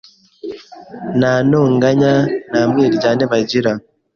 nta ntonganya nta mwiryane bagira